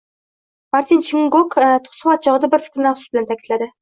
Martin Chungong suhbat chogʻida bir fikrni afsus bilan taʼkidladi.